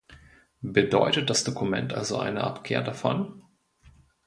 Bedeutet das Dokument also eine Abkehr davon?